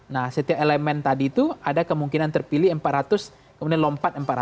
nah setiap elemen tadi itu ada kemungkinan terpilih empat ratus kemudian lompat empat ratus